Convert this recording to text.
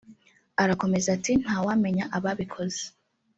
Arakomeza ati “ ntawamenya ababikoze